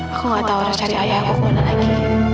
aku nggak tahu harus cari ayah aku kemana lagi